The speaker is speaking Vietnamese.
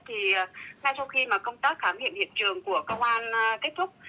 thì ngay sau khi mà công tác khám nghiệm hiện trường của công an kết thúc